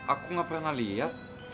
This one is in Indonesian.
aku gak pernah liat